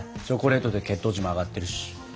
チョコレートで血糖値も上がってるし。